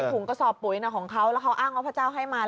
ผุงกษอปุ๋ยของเขาเขาอ้างว่าพระเจ้าให้มาแล้ว